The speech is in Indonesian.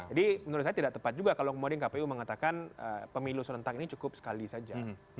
jadi menurut saya tidak tepat juga kalau kemudian kpu mengatakan pemilu serentak ini cukup sekali saja